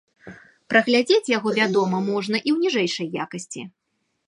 Праглядзець яго, вядома, можна і ў ніжэйшай якасці.